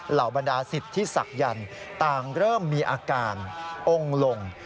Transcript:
เหล่าบรรดาสิทธิศักดิ์ต่างเริ่มมีอาการองค์ลง